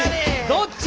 どっち？